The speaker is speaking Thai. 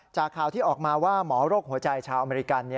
จากข่าวที่ออกมาว่าหมอโรคหัวใจชาวอเมริกัน